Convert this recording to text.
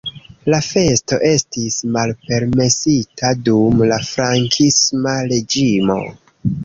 La festo estis malpermesita dum la Frankisma reĝimo.